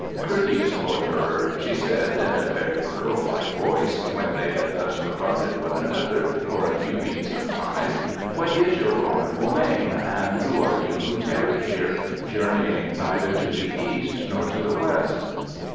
"Courteous loiterer," she said, in a very pearl like voice, when they had thus regarded one another for a few beats of time, "what is your honourable name, and who are you who tarry here, journeying neither to the east nor to the west?"